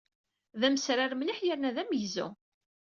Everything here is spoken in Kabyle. D amesrar mliḥ yerna d amegzu.